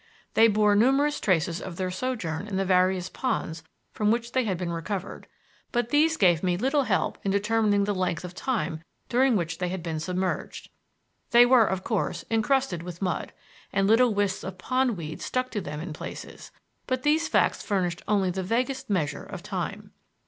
They bore numerous traces of their sojourn in the various ponds from which they had been recovered, but these gave me little help in determining the length of time during which they had been submerged. They were, of course, encrusted with mud, and little wisps of pond weed stuck to them in places; but these facts furnished only the vaguest measure of time.